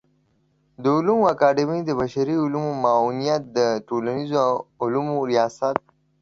د علومو اکاډمۍ د بشري علومو معاونيت د ټولنيزو علومو ریاست